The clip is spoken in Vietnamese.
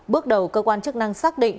bước đầu cơ quan chức năng xác định